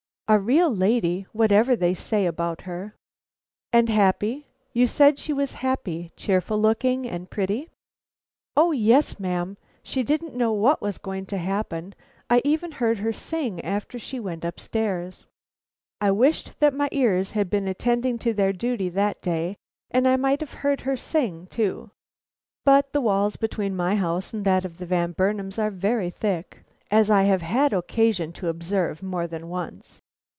A real lady, whatever they say about her!" "And happy? You said she was happy, cheerful looking, and pretty." "O yes, ma'am; she didn't know what was going to happen. I even heard her sing after she went up stairs." I wished that my ears had been attending to their duty that day, and I might have heard her sing too. But the walls between my house and that of the Van Burnams are very thick, as I have had occasion to observe more than once.